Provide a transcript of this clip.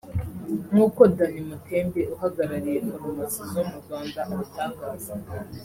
nkuko Danny Mutembe uhagarariye farumasi zo mu Rwanda abitangaza